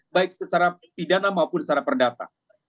baik secara pidana maupun secara perdata